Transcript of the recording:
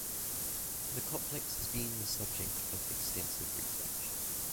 The complex has been the subject of extensive research.